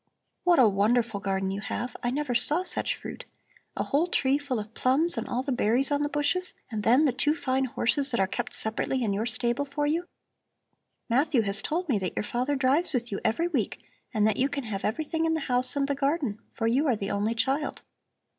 What a wonderful garden you have! I never saw such fruit. A whole tree full of plums and all the berries on the bushes! And then the two fine horses that are kept separately in your stable for you. Matthew has told me that your father drives with you every week and that you can have everything in the house and in the garden, for you are the only child."